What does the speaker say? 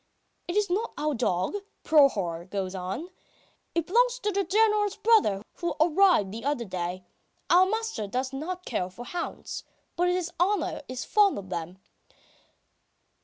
"It is not our dog," Prohor goes on. "It belongs to the General's brother, who arrived the other day. Our master does not care for hounds. But his honour is fond of them.